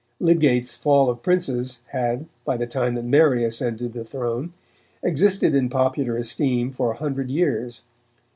Lydgate's Fall of Princes had, by the time that Mary ascended the throne, existed in popular esteem for a hundred years.